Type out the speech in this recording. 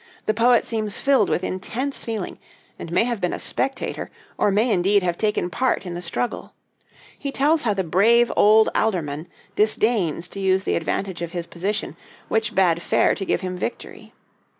The poet seems filled with intense feeling, and may have been a spectator, or may indeed have taken part in the struggle. He tells how the brave old Aldorman disdains to use the advantage of his position, which bade fair to give him victory.